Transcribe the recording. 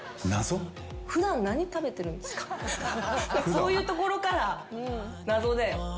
そういうところから謎で。